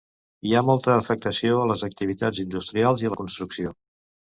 Hi ha molta afectació a les activitats industrials i a la construcció.